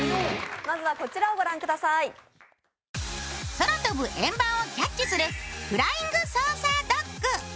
空飛ぶ円盤をキャッチするフライングソーサードッグ。